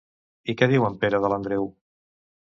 I què diu en Pere de l'Andreu?